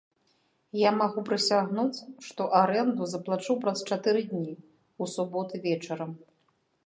Я магу прысягнуць, што арэнду заплачу праз чатыры дні, у суботу вечарам.